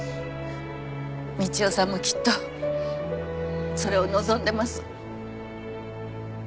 道夫さんもきっとそれを望んでます。